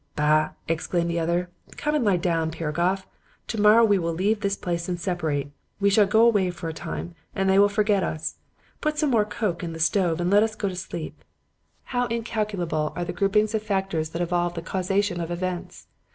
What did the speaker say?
"'Bah!' exclaimed the other. 'Come and lie down, Piragoff. Tomorrow we will leave this place and separate. We shall go away for a time and they will forget us. Put some more coke in the stove and let us go to sleep.' "How incalculable are the groupings of factors that evolve the causation of events!